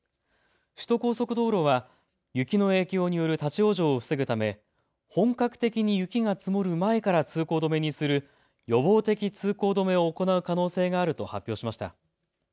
首都高速道路は雪の影響による立往生を防ぐため本格的に雪が積もる前から通行止めにする予防的通行止めを行う可能性があると発表しました。